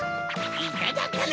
いただきま。